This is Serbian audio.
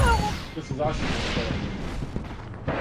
То се засигурно треба мијењати.